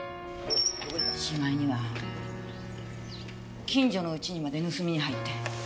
しまいには近所の家にまで盗みに入って。